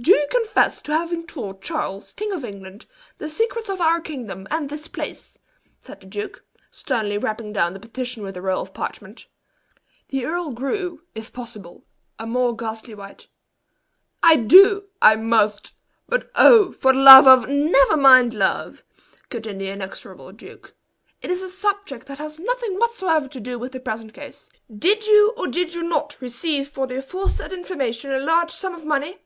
"Do you confess to having told Charles, King of England, the secrets of our kingdom and this place?" said the duke, sternly rapping down the petition with a roll of parchment. The earl grew, if possible, a more ghastly white. "I do I must! but oh! for the love of " "Never mind love," cut in the inexorable duke, "it is a subject that has nothing whatever to do with the present case. Did you or did you not receive for the aforesaid information a large sum of money?"